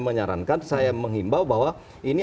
menyarankan saya menghimbau bahwa ini